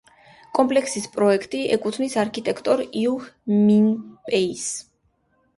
კომპლექსის პროექტი ეკუთვნის არქიტექტორ იუჰ მინ პეის.